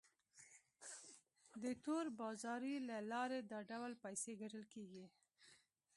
د تور بازارۍ له لارې دا ډول پیسې ګټل کیږي.